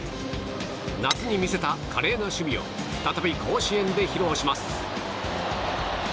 夏に見せた華麗な守備を再び甲子園で披露します。